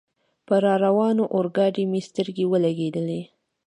پر را روانې اورګاډي مې سترګې ولګېدلې.